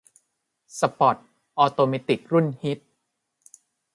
สปอร์ตออโตเมติกรุ่นฮิต